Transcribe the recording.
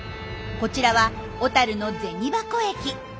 こちらは小樽の銭函駅。